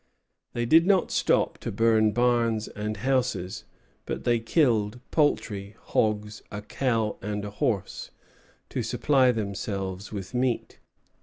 ] They did not stop to burn barns and houses, but they killed poultry, hogs, a cow, and a horse, to supply themselves with meat.